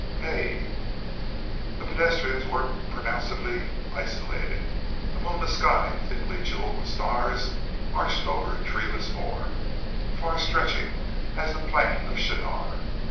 Hai!" The pedestrians were pronouncedly isolated. A moonless sky thickly jewelled with stars, arched over a treeless moor, far stretching as the plain of Shinar.